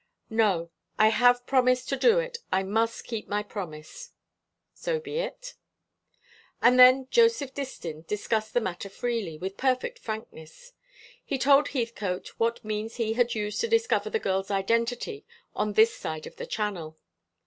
"No. I have promised to do it. I must keep my promise." "So be it." And then Joseph Distin discussed the matter freely, with perfect frankness. He told Heathcote what means he had used to discover the girl's identity on this side of the Channel.